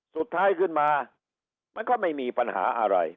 สุดท้ายขึ้นมามันก็ไม่มีปัญหาอะไร